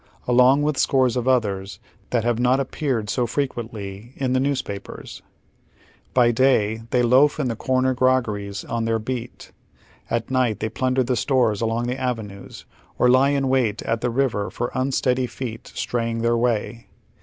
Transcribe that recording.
along witli eeores of others that have not paraded so fre quently in the newspapei'sl By day they loaf in the cor iier groggeries on their beat, at night they plunder the stores along the avenues, or lie in wait at the river for un steady feet straying tlieir way.